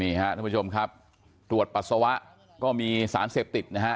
นี่ค่ะทุกผู้ชมครับรวดปัสสวะก็มีสารเสพติดนะฮะ